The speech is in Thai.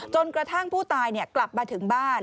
จนกระทั่งผู้ตายกลับมาถึงบ้าน